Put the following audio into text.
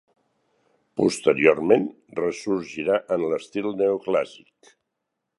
Posteriorment, ressorgirà en l'estil neoclàssic.